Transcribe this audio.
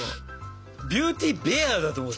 ビューティーベアだと思った。